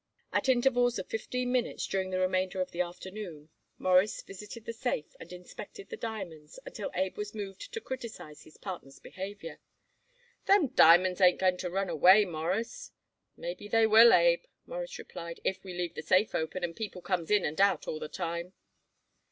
At intervals of fifteen minutes during the remainder of the afternoon Morris visited the safe and inspected the diamonds until Abe was moved to criticise his partner's behavior. "Them diamonds ain't going to run away, Mawruss." "Maybe they will, Abe," Morris replied, "if we leave the safe open and people comes in and out all the time."